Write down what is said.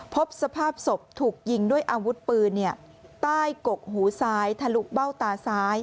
พบสภาพศพถูกยิงด้วยอาวุธปืนใต้กกหูซ้ายทะลุเบ้าตาซ้าย